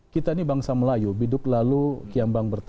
kita ini bangsa melayu biduk lalu kiam bang bertaut